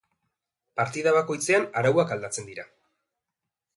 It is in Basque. Partida bakoitzean arauak aldatzen dira.